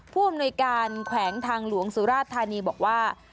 ผู้อำนวยการแขวงทางหลวงสุราชธานีบอกว่า